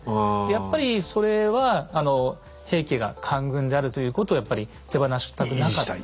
やっぱりそれは平家が官軍であるということをやっぱり手放したくなかった。